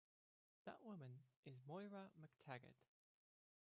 That woman is Moira MacTaggert.